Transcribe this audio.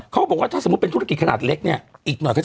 อืมอืมอืมอืม